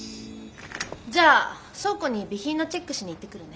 じゃあ倉庫に備品のチェックしに行ってくるね。